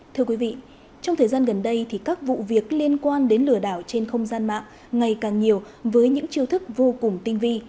thưa quý vị trong thời gian gần đây thì các vụ việc liên quan đến lừa đảo trên không gian mạng ngày càng nhiều với những chiêu thức vô cùng tinh vi